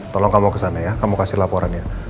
tolong kamu kesana ya kamu kasih laporannya